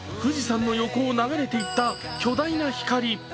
富士山の横を流れていった巨大な光。